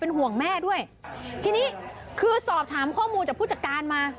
ห่วงแม่ด้วยทีนี้คือสอบถามข้อมูลจากผู้จัดการมา